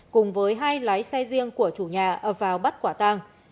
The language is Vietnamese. cùng với hai lái xe riêng của chủ nhà vào bắt quả tăng